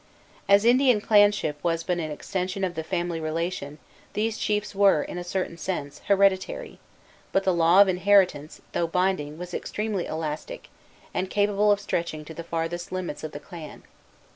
As Indian clanship was but an extension of the family relation, these chiefs were, in a certain sense, hereditary; but the law of inheritance, though binding, was extremely elastic, and capable of stretching to the farthest limits of the clan.